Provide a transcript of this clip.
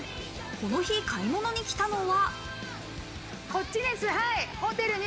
この日、買い物に来たのは。